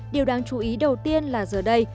điều đáng chú ý đầu tiên là giờ đây